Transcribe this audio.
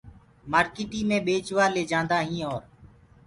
مارڪيٽي مي ٻيچوآ ليجآدآئين اور